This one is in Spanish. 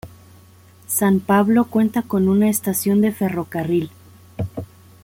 San Pablo cuenta con una estación de ferrocarril.